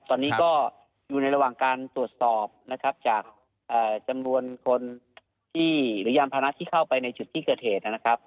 ตอนนี้ก็อยู่ในระหว่างการตรวจสอบนะครับจากจำนวนคนที่หรือยานพานะที่เข้าไปในจุดที่เกิดเหตุนะครับ